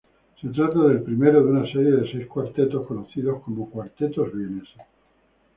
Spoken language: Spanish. Se trata del primero de una serie de seis cuartetos, conocidos como "Cuartetos vieneses".